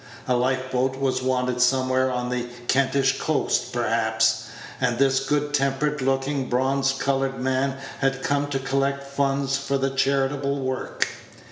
A life boat was wanted somewhere on the Kentish coast, perhaps, and this good tempered looking, bronze colored man had come to collect funds for the charitable work.